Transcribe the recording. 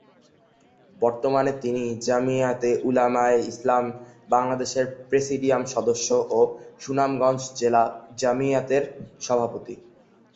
বর্তমানে তিনি জমিয়তে উলামায়ে ইসলাম বাংলাদেশের প্রেসিডিয়াম সদস্য ও সুনামগঞ্জ জেলা জমিয়তের সভাপতি।